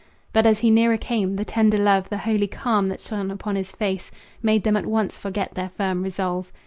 But as he nearer came, the tender love, The holy calm that shone upon his face, Made them at once forget their firm resolve.